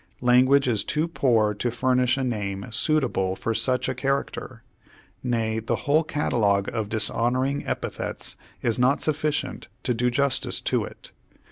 Lan guage is too poor to furnish a name suitable for such a character. Nay, the whole catalogue of dishonoring epi thets is not sufficient to do justice to it.